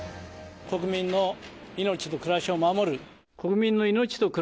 国民の命と暮らしを守る。